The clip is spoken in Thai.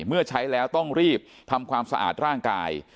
เมื่อใช้แล้วต้องรีบทำความสะอาดร่างกาย